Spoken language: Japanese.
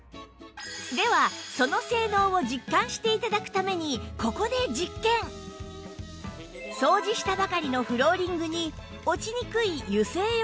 ではその性能を実感して頂くためにここで実験掃除したばかりのフローリングに落ちにくい油性汚れの代表